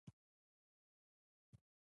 غول د زاړه بدن رازونه لري.